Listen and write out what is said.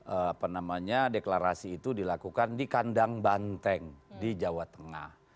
apa namanya deklarasi itu dilakukan di kandang banteng di jawa tengah